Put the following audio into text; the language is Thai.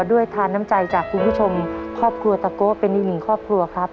ด้วยทานน้ำใจจากคุณผู้ชมครอบครัวตะโกะเป็นอีกหนึ่งครอบครัวครับ